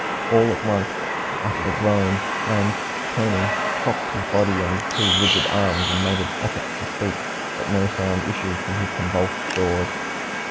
All at once he uttered a groan, and turning, propped his body on his two rigid arms, and made an effort to speak. But no sound issued from his convulsed jaws.